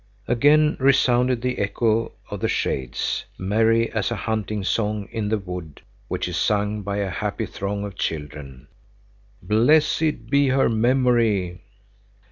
Again resounded the echo of the shades, merry as a hunting song in the wood which is sung by a happy throng of children: "Blessed be her memory!"